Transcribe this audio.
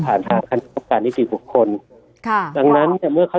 ผ่านทางการหนิศิษย์บุคคลค่ะดังนั้นเนี่ยเมื่อเขา